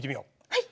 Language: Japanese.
はい。